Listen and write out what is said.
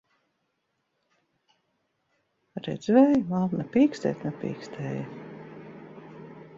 Redzi, Vēja māt! Ne pīkstēt nepīkstēju!